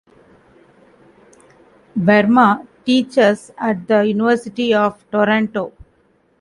Verma teaches at the University of Toronto.